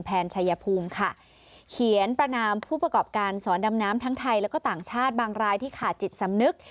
ชายภูมิค่ะเขียนประนามผู้ประกอบการสอนดำน้ำทั้งไทยแล้วก็ต่างชาติบางรายที่ขาดจิตสำนึก